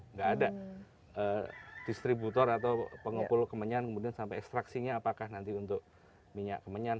nggak ada distributor atau pengepul kemenyan kemudian sampai ekstraksinya apakah nanti untuk minyak kemenyan